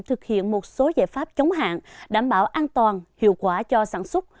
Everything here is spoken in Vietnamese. thực hiện một số giải pháp chống hạn đảm bảo an toàn hiệu quả cho sản xuất